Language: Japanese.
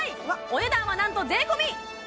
お値段はなんと税込え！